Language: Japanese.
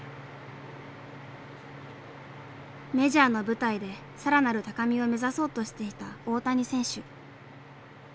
メジャーの舞台で更なる高みを目指そうとしていた大谷選手。